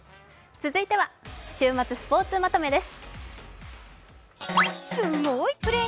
続いては週末スポーツまとめです。